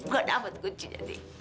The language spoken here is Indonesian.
gue dapat kuncinya dik